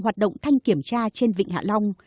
hoạt động thanh kiểm tra trên vịnh hạ long